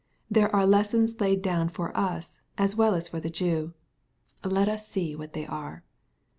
There are lessons laid down for us^ as well as for the Jew. Let us see what they are.